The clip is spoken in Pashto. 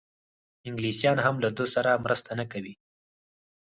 انګلیسیان هم له ده سره مرسته نه کوي.